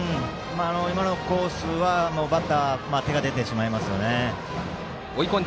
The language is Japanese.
今のコースはバッター、手が出てしまいます。